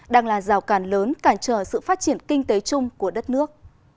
đang là rào cản lớn cản trở sự phát triển kinh tế chung của đất nước